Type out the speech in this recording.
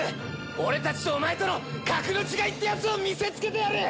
オレ達とおまえとの格の違いってやつを見せつけてやる‼」。